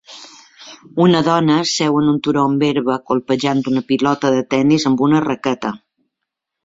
Una dona seu en un turó amb herba colpejant una pilota de tenis amb una raqueta.